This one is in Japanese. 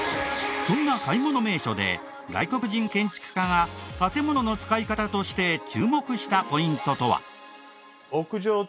そんな買い物名所で外国人建築家が建ものの使い方として注目したポイントとは？